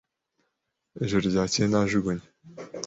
Ijoro ryakeye najugunye.